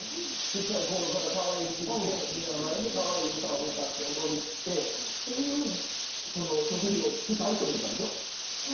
ちっちゃいころからかわいい服着てみんなの前でかわいい歌を歌って踊ってという職業に就きたいと思ったんでしょ。